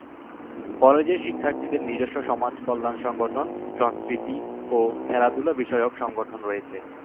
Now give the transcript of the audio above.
কলেজের শিক্ষার্থীদের নিজস্ব সমাজকল্যাণ সংগঠন, সংস্কৃতি ও খেলাধুলা বিষয়ক সংগঠন রয়েছে।